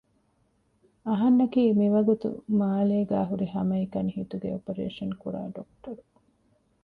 އަހަންނަކީ މިވަގުތު މާލޭގައި ހުރި ހަމައެކަނި ހިތުގެ އޮޕަރޭޝަން ކުރާ ޑޮކްޓަރު